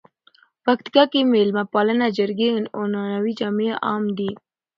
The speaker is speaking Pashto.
پکتیکا کې مېلمه پالنه، جرګې، عنعنوي جامي عام دي.